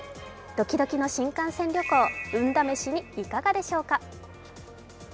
ドキドキの新幹線旅行運試しにいかがでしょうか。